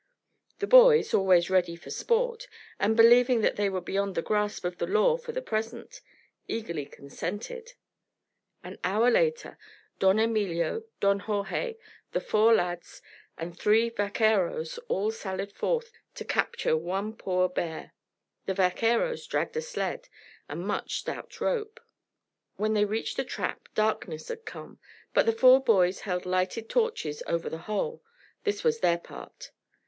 The boys, always ready for sport, and believing that they were beyond the grasp of the law for the present, eagerly consented. An hour later Don Emilio, Don Jorge, the four lads, and three vaqueros all sallied forth to capture one poor bear. The vaqueros dragged a sled, and much stout rope. When they reached the trap darkness had come, but the four boys held lighted torches over the hole this was their part.